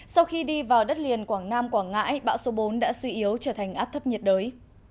sau khi đi vào đất liền quảng nam quảng ngãi bão số bốn đã suy yếu trở thành áp thấp nhiệt đới